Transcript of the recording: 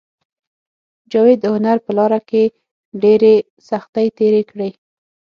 جاوید د هنر په لاره کې ډېرې سختۍ تېرې کړې